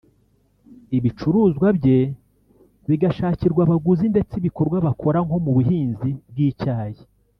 ibicuruzwa bye bigashakirwa abaguzi ndetse ibikorwa bakora nko mu buhinzi bw’icyayi